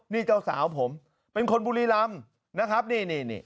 นี่เจ้าสาวผมเป็นคนบุรีรำนะครับนี่นี่